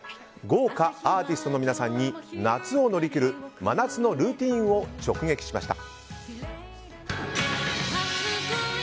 豪華アーティストの皆さんに夏を乗り切る真夏のルーティンを直撃しました。